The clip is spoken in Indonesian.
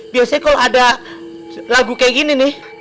biasanya kalau ada lagu kayak gini nih